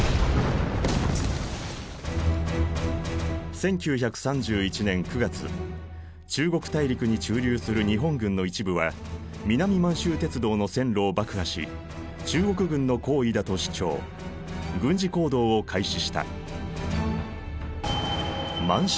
１９３１年９月中国大陸に駐留する日本軍の一部は南満州鉄道の線路を爆破し中国軍の行為だと主張軍事行動を開始した。